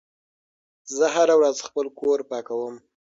زه هره ورځ خپل کور پاکوم.